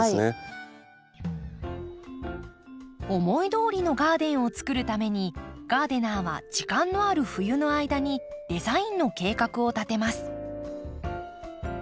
思いどおりのガーデンをつくるためにガーデナーは時間のある冬の間にデザインの計画を立てます。